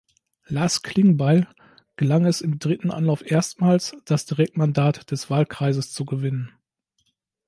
Lars Klingbeil gelang es im dritten Anlauf erstmals, das Direktmandat des Wahlkreises zu gewinnen.